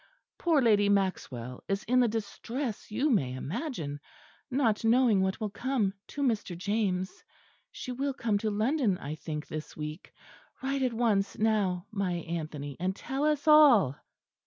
Poor Lady Maxwell is in the distress you may imagine; not knowing what will come to Mr. James. She will come to London, I think, this week. Write at once now, my Anthony, and tell us all."